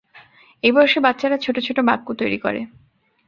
এই বয়সে বাচ্চারা ছোট ছোট বাক্য তৈরি করে।